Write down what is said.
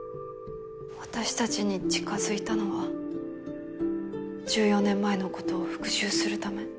私たちに近づいたのは１４年前の事を復讐するため？